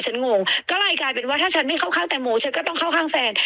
งงก็เลยกลายเป็นว่าถ้าฉันไม่เข้าข้างแตงโมฉันก็ต้องเข้าข้างแฟน